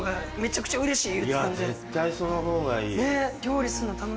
絶対その方がいい。ねぇ。